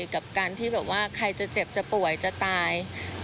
กับการที่แบบว่าใครจะเจ็บจะป่วยจะตาย